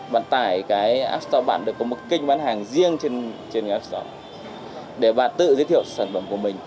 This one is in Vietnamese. bạn tải app store bạn được có một kênh bán hàng riêng trên app store để bạn tự giới thiệu sản phẩm của mình